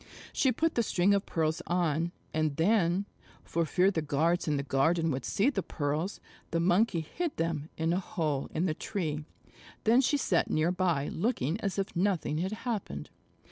She put the string of pearls on, and then, for fear the guards in the garden would see the pearls, the Monkey hid them in a hole in the tree. Then she sat near by looking as if nothing had happened.